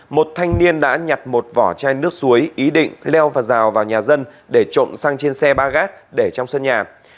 một thanh niên đã nhặt một vỏ chai nước suối ý định leo và rào vào nhà dân để trộm sang trên xe ba gác để trong sân nhà